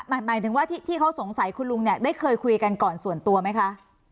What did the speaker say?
หมายถึงว่าที่เขาสงสัยคุณลุงเนี่ยได้เคยคุยกันก่อนส่วนตัวไหมคะ